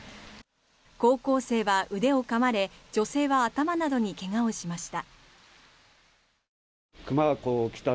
高校生は腕をかまれ女性は頭などに怪我をしました。